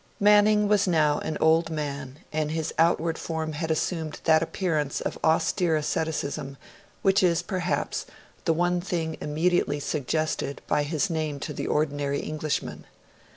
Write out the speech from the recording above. Manning was now an old man, and his outward form had assumed that appearance of austere asceticism which is, perhaps, the one thing immediately suggested by his name to the ordinary Englishman.